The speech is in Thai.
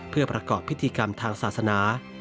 เพื่อประกอบพิธีกรรมทางศาสนา